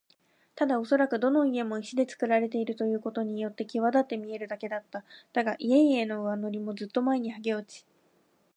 ただおそらくどの家も石でつくられているということによってきわだって見えるだけだった。だが、家々の上塗りもずっと前にはげ落ち、